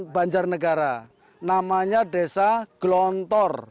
banjarnegara namanya desa glontor